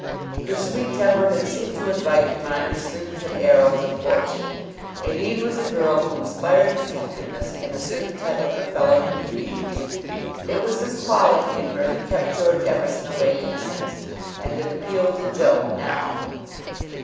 Her sweet temper had seemed to invite the minor slings and arrows of fortune. Aline was a girl who inspired protectiveness in a certain type of her fellow human beings. It was this quality in her that kept George Emerson awake at nights; and it appealed to Joan now.